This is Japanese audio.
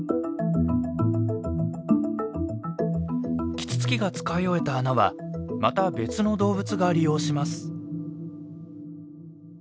キツツキが使い終えた穴はまた別の動物が利用します。